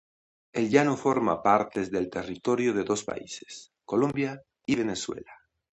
El Llano forma parte del territorio de dos países, Colombia y Venezuela.